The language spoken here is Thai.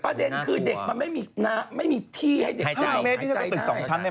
ประเด็นคือเด็กมันไม่มีที่ให้เด็กใจได้